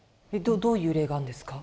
どういう例があるんですか？